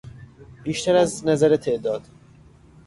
بیشتر از نظر تعداد